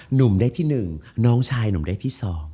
หนูมได้ที่หนึ่งน้องชายหนูมได้ที่สอง